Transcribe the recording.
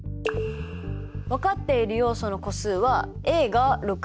分かっている要素の個数はＡが６人。